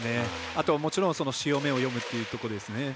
あとはもちろん潮目を読むというところですね。